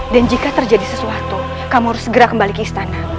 dan jika terjadi sesuatu kamu harus segera kembali ke istana